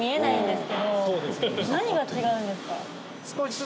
何が違うんですか？